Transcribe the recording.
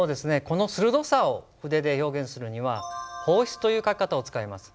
この鋭さを筆で表現するには方筆という書き方を使います。